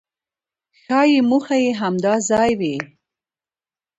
ښایي موخه یې همدا ځای وي.